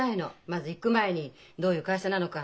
まず行く前に「どういう会社なのか」